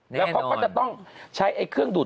แล้วเขาก็จะต้องใช้เครื่องดูด